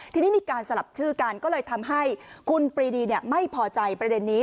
ทีนี้มีการสลับชื่อกันก็เลยทำให้คุณปรีดีไม่พอใจประเด็นนี้